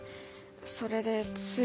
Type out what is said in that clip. それでつい。